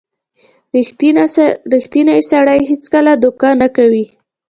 • ریښتینی سړی هیڅکله دوکه نه کوي.